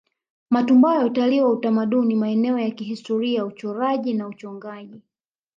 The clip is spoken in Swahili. Matumbawe Utalii wa kiutamaduni maeneo ya kihistoria uchoraji na uchongaji